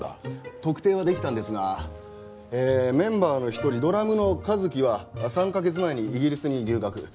特定は出来たんですがメンバーの一人ドラムの和樹は３カ月前にイギリスに留学。